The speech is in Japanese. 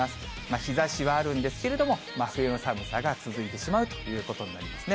日ざしはあるんですけれども、真冬の寒さが続いてしまうということになりますね。